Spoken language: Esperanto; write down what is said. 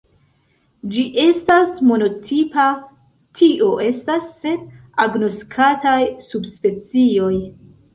Ĝi estas monotipa, tio estas sen agnoskataj subspecioj.